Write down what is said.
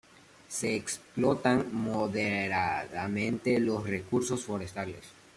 Se explotan moderadamente los recursos forestales.